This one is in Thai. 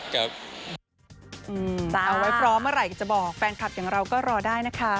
เอาไว้พร้อมเมื่อไหร่จะบอกแฟนคลับอย่างเราก็รอได้นะคะ